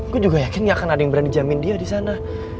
gue juga yakin gak akan ada yang berani jamin dia di sana